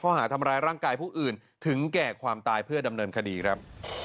หาทำร้ายร่างกายผู้อื่นถึงแก่ความตายเพื่อดำเนินคดีครับ